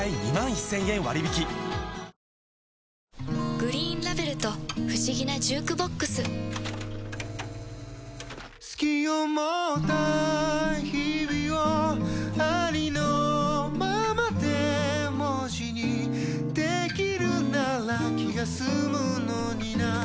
「グリーンラベル」と不思議なジュークボックス“好き”を持った日々をありのままで文字にできるなら気が済むのにな